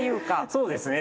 そうですね。